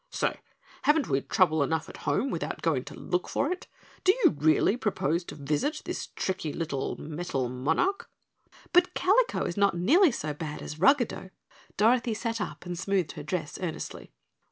"Say, haven't we trouble enough at home without going to look for it? Do you really propose to visit this tricky little metal monarch?" "But Kalico is not nearly so bad as Ruggedo." Dorothy sat up and smoothed her dress earnestly.